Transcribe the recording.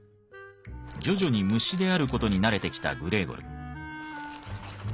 徐々に虫である事に慣れてきたグレーゴル。